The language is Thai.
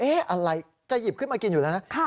อะไรจะหยิบขึ้นมากินอยู่แล้วนะ